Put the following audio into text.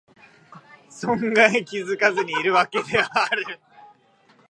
存外気がつかずにいるわけである